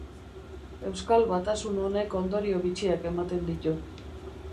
Euskal batasun honek ondorio bitxiak ematen ditu.